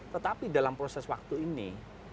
tetapi dalam proses waktu ini